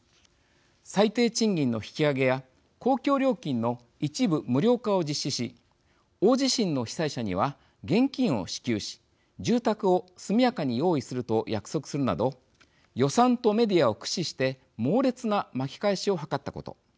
最低賃金の引き上げや公共料金の一部無料化を実施し大地震の被災者には現金を支給し住宅を速やかに用意すると約束するなど予算とメディアを駆使して猛烈な巻き返しを図ったこと。